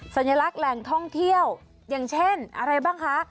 สัญลักษณ์แหล่งท่องเที่ยวอย่างเช่นอะไรบ้างคะ